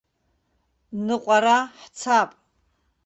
Ныҟәара ҳцап.